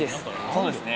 そうですね。